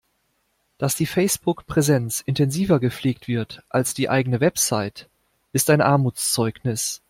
Dass die Facebook-Präsenz intensiver gepflegt wird als die eigene Website, ist ein Armutszeugnis.